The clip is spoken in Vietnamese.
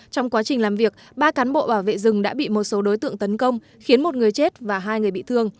trong quá trình làm việc ba cán bộ bảo vệ rừng đã bị một số đối tượng tấn công khiến một người chết